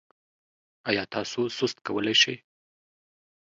ایا تاسو سست کولی شئ؟